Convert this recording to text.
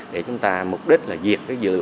để chúng ta mục đích là diệt dự